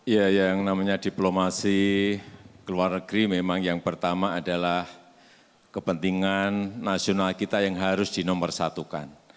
ya yang namanya diplomasi ke luar negeri memang yang pertama adalah kepentingan nasional kita yang harus dinomorsatukan